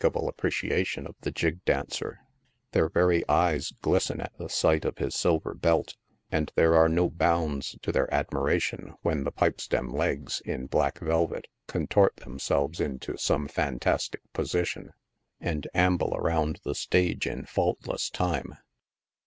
10 blo appreciation of the jig dancer; their very eyes glisten at the sight of his silver belt, and there are no bounds to their admiration when the pipe stem legs, in black velvet, contort themselves into some fantastic position, and amble around the stage in faultless time.